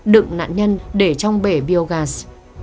đựng nạn nhân để trong bể biogas